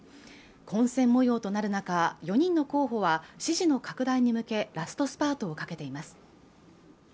混戦模様となる中４人の候補は支持の拡大に向けラストスパートをかけています